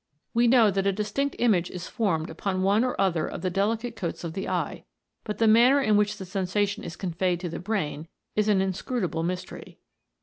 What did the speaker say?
We know that a distinct image is formed upon one or other of the delicate coats of the eye, but the mariner in which the sensation is conveyed to the brain is an inscrutable mystery.